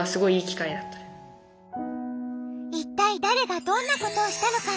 いったい誰がどんなことをしたのか？